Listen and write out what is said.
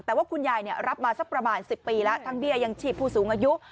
แต่ว่าคุณยายรับมาสักประมาณ๑๐ปีแล้วทั้งเบี้ยยังชีพผู้สูงอายุ